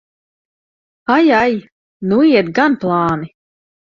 Ai, ai! Nu iet gan plāni!